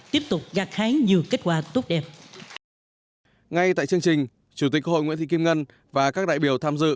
tiếp tục gạt hái nhiều cách